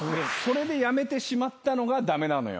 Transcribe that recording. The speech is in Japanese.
それでやめてしまったのが駄目なのよ。